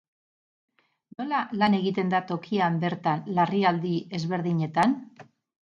Nola lan egiten da tokian bertan larrialdi ezberdinetan?